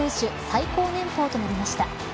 最高年俸となりました。